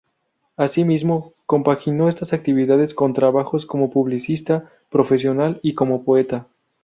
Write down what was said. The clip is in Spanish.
Asimismo, compaginó estas actividades con trabajos como publicista profesional y como poeta.